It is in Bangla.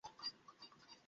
আমাকে বলিস নাই কেন?